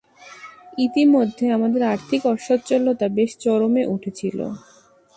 ইতিমধ্যে আমাদের আর্থিক অসচ্ছলতা বেশ চরমে উঠেছিল।